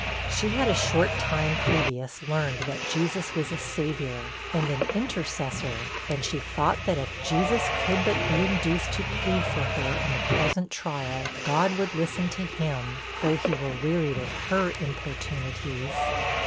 She had a short time previous learned that Jesus was a Saviour, and an intercessor; and she thought that if Jesus could but be induced to plead for her in the present trial, God would listen to him, though he were wearied of her importunities.